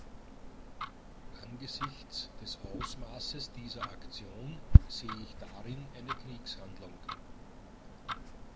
Angesichts des Ausmaßes dieser Aktion sehe ich darin eine Kriegshandlung.